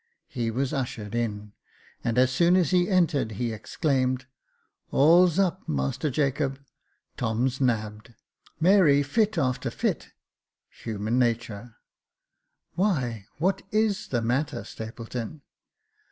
He was ushered in, and as soon as he entered, he exclaimed, " All's up, Master Jacob — Tom's nabbed — Mary fit after fit — human naturP "Why, what is the matter, Stapleton